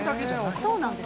そうなんです。